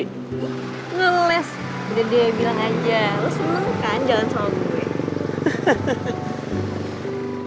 lo kelas biar dia bilang aja lo seneng kan jalan sama gue